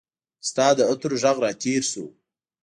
ستا د عطرو ږغ راتیر سو